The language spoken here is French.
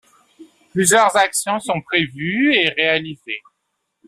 Plusieurs actions sont prévues et réalisées.